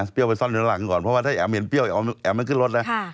เพราะว่าถ้าแอ๋มเห็นเปรี้ยวแอ๋มมันขึ้นรถนะ